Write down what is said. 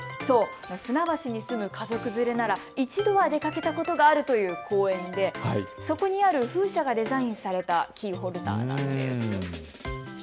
船橋に住む家族連れなら一度は出かけたことがあるという公園でそこにある風車がデザインされたキーホルダーです。